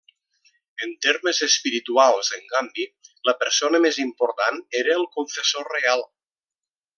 En termes espirituals, en canvi, la persona més important era el confessor reial.